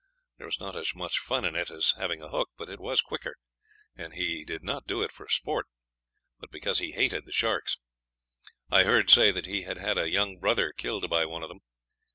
There was not as much fun in it as having a hook, but it was quicker, and he did not do it for sport, but because he hated the sharks. I heard say that he had had a young brother killed by one of them.